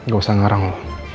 gak usah ngarang lo